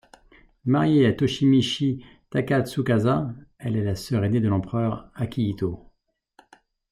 Mariée à Toshimichi Takatsukasa, elle est la sœur aînée de l'empereur Akihito.